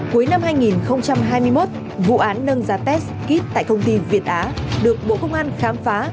cuối năm hai nghìn hai mươi một vụ án nâng giá test kit tại công ty việt á được bộ công an khám phá